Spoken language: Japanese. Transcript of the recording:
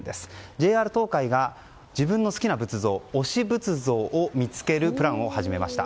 ＪＲ東海が自分の好きな仏像推し仏像を見つけるプランを始めました。